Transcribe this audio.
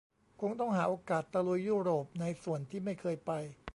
คงต้องหาโอกาสตะลุยยุโรปในส่วนที่ไม่เคยไป